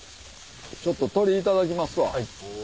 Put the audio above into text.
ちょっと鶏いただきますわ。